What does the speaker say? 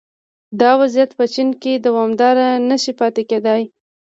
دا وضعیت په چین کې دوامداره نه شي پاتې کېدای